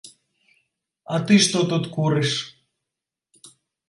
А ты што тут курыш?